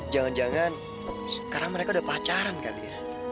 jangan jangan sekarang mereka udah pacaran kali ya